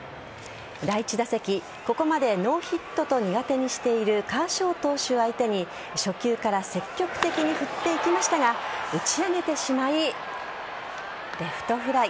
第１打席、ここまでノーヒットと苦手にしているカーショー投手相手に初球から積極的に振っていきましたが打ち上げてしまいレフトフライ。